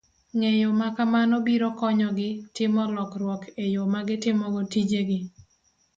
Ng'eyo ma kamano biro konyogi timo lokruok e yo ma gitimogo tijegi